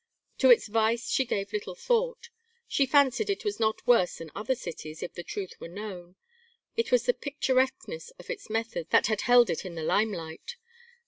To its vice she gave little thought; she fancied it was not worse than other cities, if the truth were known; it was the picturesqueness of its methods that had held it in the limelight.